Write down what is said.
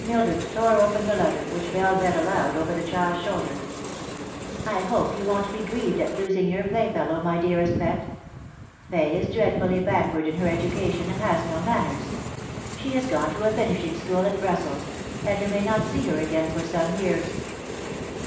Mildred tore open the letter, which Bell read aloud over the child's shoulder. " I hope you won't be grieved at losing your playfellow, my dearest pet. Fay is dreadfully backward in her education, and has no manners. She has gone to a finishing school at Brussels, and you may not see her again for some years."